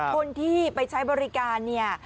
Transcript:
คนที่ไปใช้บริการเนี่ย